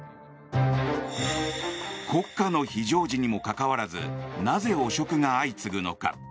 国家の非常時にもかかわらずなぜ、汚職が相次ぐのか。